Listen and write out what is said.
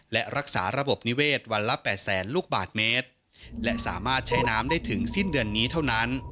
และรักษาระบบนิเวศวันละแปดแสนลูกบาทเมตรและสามารถใช้น้ำได้ถึงสิ้นเดือนนี้เท่านั้น